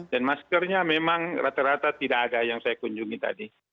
dan maskernya memang rata rata tidak ada yang saya kunjungi tadi